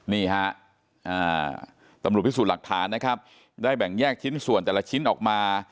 นี่ฮะตำรวจพิสูจน์หลักฐานนะครับได้แบ่งแยกชิ้นส่วนแต่ละชิ้นออกมา